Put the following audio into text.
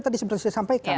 tadi seperti saya sampaikan